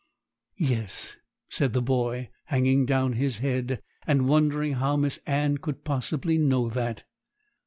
'Yes,' said the boy, hanging down his head, and wondering how Miss Anne could possibly know that.